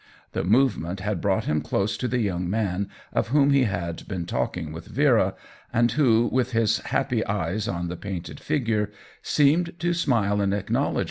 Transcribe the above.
The movement had brought him close to the young man of whom he had been talking with Vera, and who, with his happy eyes on the painted figure, seemed to smile in ac :f rr kncwiecCTic!